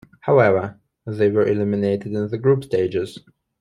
However, they were eliminated in the group stages.